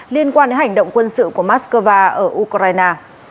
liên quan đến hành động quân sự của moscow ở ukraine